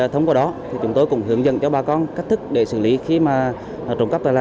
thông qua đó thì chúng tôi cũng hướng dẫn cho bà con cách thức để xử lý khi mà trộm cắp tài sản